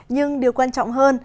nhưng điều quan trọng hơn